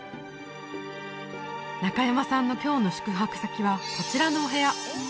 中山さんの今日の宿泊先はこちらのお部屋